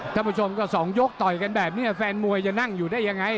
ท่านผู้ชมก็๒ยกต่อยกันแบบนี้แฟนมวยจะนั่งอยู่ได้ยังไง